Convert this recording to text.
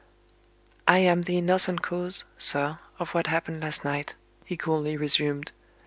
"I am the innocent cause, sir, of what happened last night," he coolly resumed.